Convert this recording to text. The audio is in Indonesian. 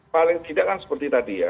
paling tidak kan seperti tadi ya